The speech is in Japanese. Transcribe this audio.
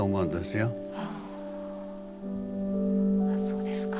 そうですか。